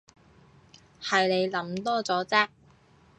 係你諗多咗啫